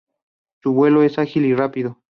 Su vuelo es ágil y rápido.